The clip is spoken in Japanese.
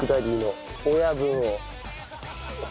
親分。